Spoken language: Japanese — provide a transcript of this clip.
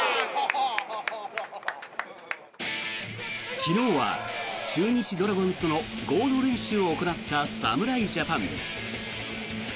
昨日は中日ドラゴンズとの合同練習を行った侍ジャパン。